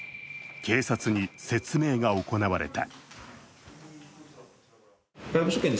警察に説明が行われた。